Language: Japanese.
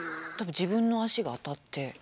多分自分の足が当たって。